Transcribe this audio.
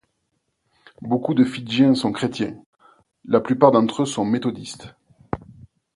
Beaucoup de Fidjiens sont chrétiens; la plupart d'entre eux sont méthodistes.